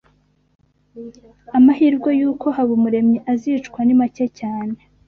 Amahirwe yuko Habumuremyi azicwa ni make cyane